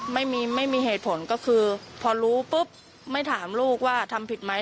ไม่มีไม่มีเหตุผลก็คือพอรู้ปุ๊บไม่ถามลูกว่าทำผิดไหม